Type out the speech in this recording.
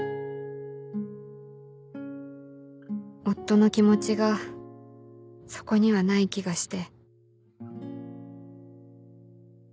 夫の気持ちがそこにはない気がして。